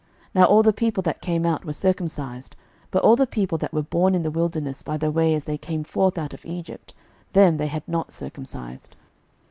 06:005:005 Now all the people that came out were circumcised: but all the people that were born in the wilderness by the way as they came forth out of Egypt, them they had not circumcised.